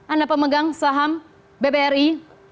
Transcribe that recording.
anda pemegang saham bbri